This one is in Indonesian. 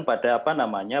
pada apa namanya